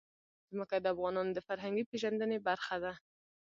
ځمکه د افغانانو د فرهنګي پیژندنې برخه ده.